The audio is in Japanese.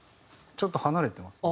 ちょっと離れてます